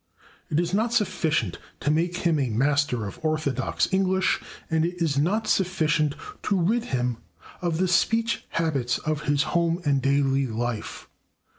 It is not sufficient to make him a master of orthodox English and it is not sufficient to rid him of the speech habits of his home and daily life.